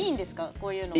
こういうのは。